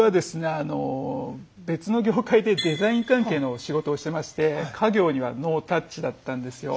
あの別の業界でデザイン関係の仕事をしてまして家業にはノータッチだったんですよ。